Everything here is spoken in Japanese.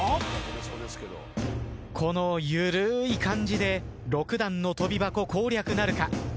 この緩い感じで６段の跳び箱攻略なるか？